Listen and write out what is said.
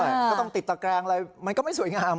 ก็ต้องติดตะแกรงอะไรมันก็ไม่สวยงาม